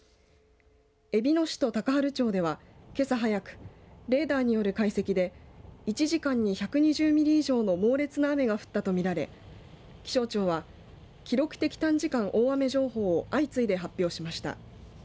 えびの市と高原町ではけさ早くレーダーによる解析で１時間に１２０ミリ以上の猛烈な雨が降ったと見られ気象庁は記録的短時間大雨情報を相次いで発表しました。